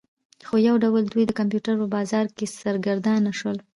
خو یو ډول دوی د کمپیوټر په بازار کې سرګردانه شول